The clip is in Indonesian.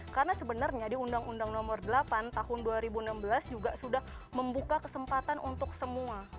karena sebenarnya di undang undang nomor delapan tahun dua ribu enam belas juga sudah membuka kesempatan untuk semua